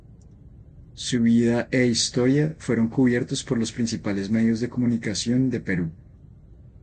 Su vida e historia fueron cubiertos por los principales medios de comunicación de Perú.